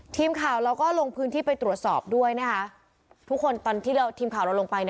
ทีมข่าวเราก็ลงพื้นที่ไปตรวจสอบด้วยนะคะทุกคนตอนที่เราทีมข่าวเราลงไป